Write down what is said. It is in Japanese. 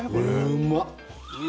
うまっ！